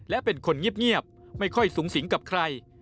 และเป็นคนเงียบไม่ค่อยสูงสิงกับใคร